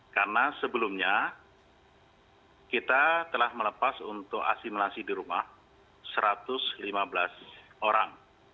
karena sebelumnya kita telah melepas untuk asimilasi di rumah satu ratus lima belas orang